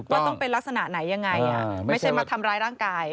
ว่าต้องเป็นลักษณะไหนยังไงไม่ใช่มาทำร้ายร่างกาย